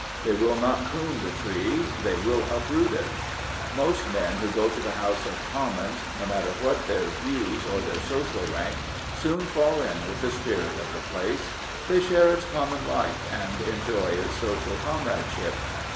They will not prune the tree : they will uproot it. Most men who go to the House of Commons, no matter what their views or their social rank, soon fall in with the spirit of the place. They share its common life and enjoy its social comradeship.